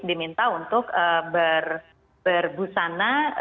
diminta untuk berbusana